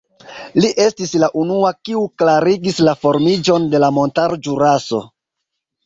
Li estis la unua, kiu klarigis la formiĝon de la montaro Ĵuraso.